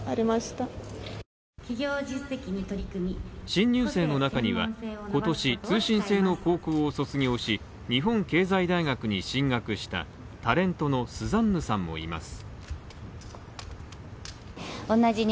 新入生の中には、今年、通信制の高校を卒業し日本経済大学に進学したタレントのスザンヌさんもいます。